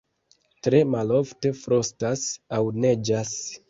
Tre malofte frostas aŭ neĝas.